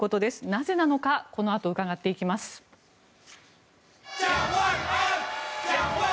なぜなのか、このあと伺っていきます。